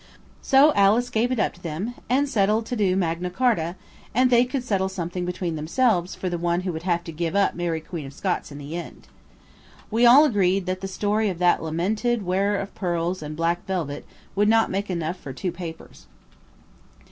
So Alice gave it up to them and settled to do Magna Charta, and they could settle something between themselves for the one who would have to give up Mary Queen of Scots in the end. We all agreed that the story of that lamented wearer of pearls and black velvet would not make enough for two papers.